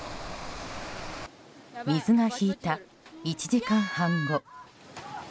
水が引いた、１時間半後。